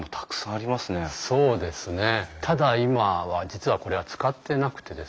ただ今は実はこれは使ってなくてですね